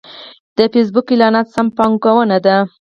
د فېسبوک اعلانات سمه پانګونه ده.